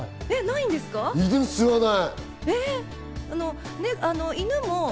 ない！